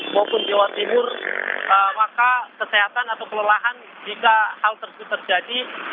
maupun jawa timur maka kesehatan atau kelelahan jika hal tersebut terjadi